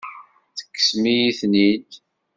Tekksem-iyi-ten-id.